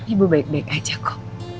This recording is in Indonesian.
ibu baik baik aja kok